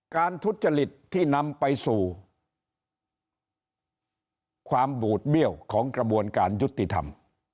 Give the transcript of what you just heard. ทุจริตที่นำไปสู่ความบูดเบี้ยวของกระบวนการยุติธรรม